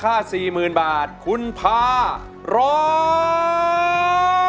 สำหรับเหรยที่๓มูลค่า๔๐๐๐๐บาทคุณพาร้อง